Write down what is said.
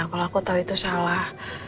kalau aku tahu itu salah